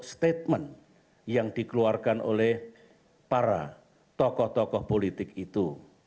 statement yang dikeluarkan oleh para tokoh tokoh politik itu